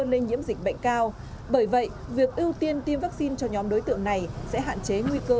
lây nhiễm dịch bệnh cao bởi vậy việc ưu tiên tiêm vaccine cho nhóm đối tượng này sẽ hạn chế nguy cơ